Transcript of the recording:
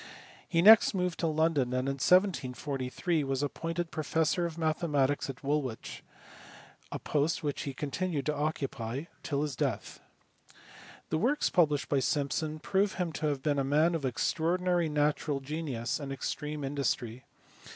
He next moved to London, and in 1743 was appointed professor of mathematics at Woolwich, a post which he continued to occupy till his death. The works published by Simpson prove him to have been a man of extraordinary natural genius and extreme industry.